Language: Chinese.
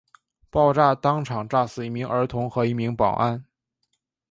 爆炸当场炸死一名儿童和一名保安。